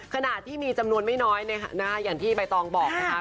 ขณะที่มีจำนวนไม่น้อยอย่างที่ใบตองบอกนะคะ